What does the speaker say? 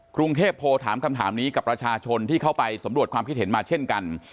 กรุงเทพโพลถามคำถามนี้กับประชาชนที่เข้าไปสำรวจความคิดเห็นมาเช่นกัน